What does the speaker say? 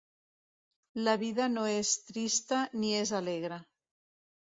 La vida no és trista ni és alegra